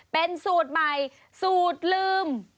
เป็นสูตรใหม่สูตรลืม